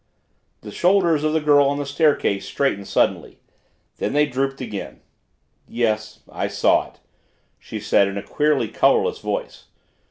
The shoulders of the girl on the staircase straightened suddenly. Then they drooped again. "Yes I saw it," she said in a queerly colorless voice.